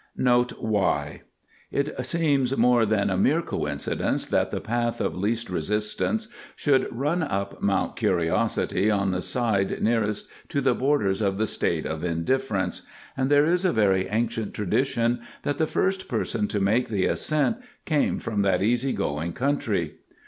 NOTE Y. It seems more than mere coincidence that the Path of Least Resistance should run up Mount Curiosity on the side nearest to the borders of the State of Indifference, and there is a very ancient tradition that the first person to make the ascent came from that easy going country.